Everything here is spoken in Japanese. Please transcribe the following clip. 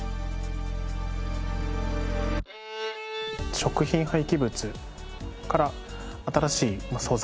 食品廃棄物から新しい素材。